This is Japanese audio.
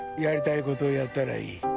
やりたいことやったらいい。